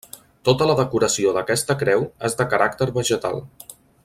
Tota la decoració d'aquesta creu és de caràcter vegetal.